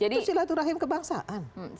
itu silaturahim kebangsaan